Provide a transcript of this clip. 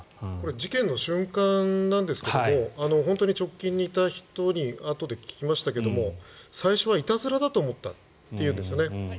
事件の瞬間なんですけど本当に直近にいた人にあとで聞きましたけども最初はいたずらだと思ったって言うんですよね。